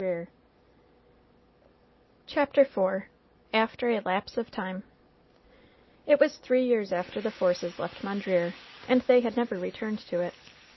LOVE'S BITTEREST CUP «7 CHAPTER IV AFTEB A LAPSE OP TIME It was three years after the Forces left Mondreer, and they had never returned to it.